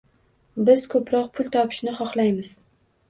Biz ko’proq pul topishni xohlaymiz.